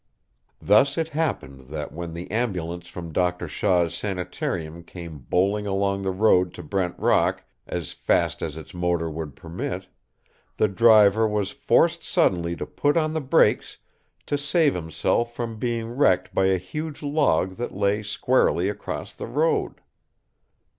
Thus it happened that when the ambulance from Doctor Shaw's sanitarium came bowling along the road to Brent Rock as fast as its motor would permit, the driver was forced suddenly to put on the brakes to save himself from being wrecked by a huge log that lay squarely across the road.